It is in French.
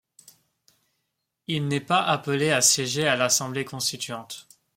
Il n'est pas appelé à siéger à l'Assemblée constituante.